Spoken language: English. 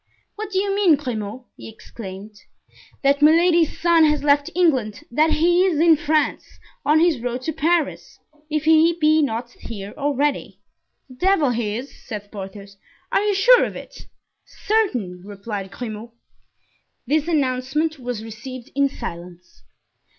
"What do you mean, Grimaud?" he exclaimed. "That Milady's son has left England, that he is in France, on his road to Paris, if he be not here already." "The devil he is!" said Porthos. "Are you sure of it?" "Certain," replied Grimaud. This announcement was received in silence.